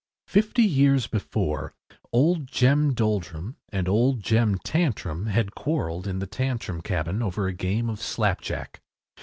Fifty years before old Jem Doldrum and old Jem Tantrum had quarrelled in the Tantrum cabin over a game of slapjack.